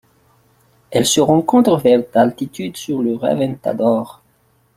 Elle se rencontre vers d'altitude sur le Reventador.